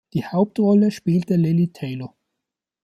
Die Hauptrolle spielte Lili Taylor.